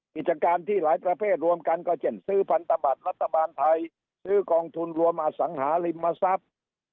กิจการที่หลายประเภทรวมกันก็เช่นซื้อพันธบัตรรัฐบาลไทยซื้อกองทุนรวมอสังหาริมทรัพย์